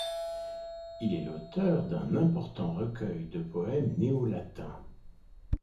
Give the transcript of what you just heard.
Il est l'auteur d'un important recueil de poèmes néolatins.